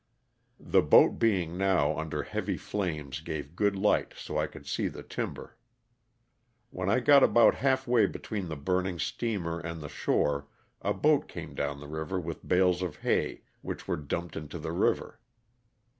The boat being now under heavy flames gave good light so I could see the timber. When I got about half way between the burning steamer and the shore a boat came down the river with bales of hay, which were dumped into the river.